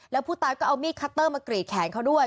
แล้วผู้ตายก็เอามีดคัตเตอร์มากรีดแขนเขาด้วย